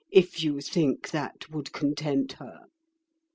If you think that would content her!"